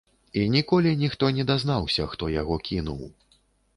І ніколі ніхто не дазнаўся, хто яго кінуў.